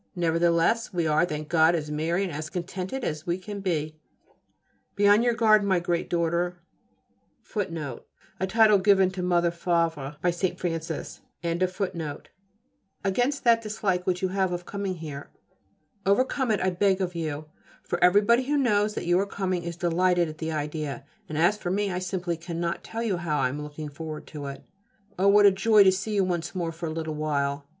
Nevertheless, we are, thank God, as merry and as contented as we can be. Be on your guard, my great daughter,[C] against that dislike which you have of coming here. Overcome it, I beg of you, for everybody who knows that you are coming is delighted at the idea, and as for me, I simply cannot tell you how I am looking forward to it. Oh! what a joy to see you once more for a little while.